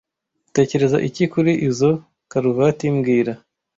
Utekereza iki kuri izoi karuvati mbwira